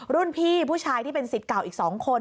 รุ่นพี่ผู้ชายที่เป็นสิทธิ์เก่าอีก๒คน